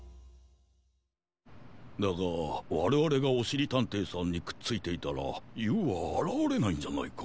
だがわれわれがおしりたんていさんにくっついていたらＵはあらわれないんじゃないか？